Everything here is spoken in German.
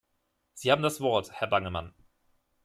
Sie haben das Wort, Herr Bangemann.